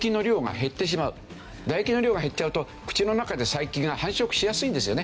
唾液の量が減っちゃうと口の中で細菌が繁殖しやすいんですよね。